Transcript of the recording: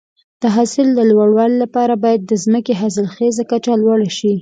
د حاصل د لوړوالي لپاره باید د ځمکې حاصلخیزي کچه لوړه شي.